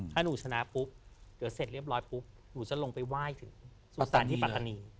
ถ้าหนูชนะปุ๊บเดี๋ยวเสร็จเรียบร้อยปุ๊บหนูจะลงไปไหว้ถึงสุสานที่ปัตตานี